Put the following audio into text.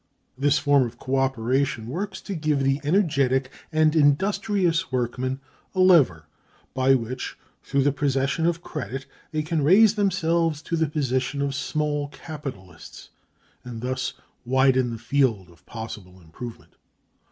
This form of co operation works to give the energetic and industrious workmen a lever by which, through the possession of credit, they can raise themselves to the position of small capitalists, and thus widen the field of possible improvement.